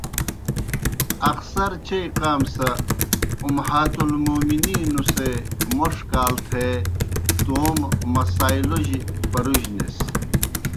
اخسر چیئی قام سہ اُمہاتُ المُؤمنِینو سے موْݜ کال تھےتومہ مسائلوجیْ پرُجنِس۔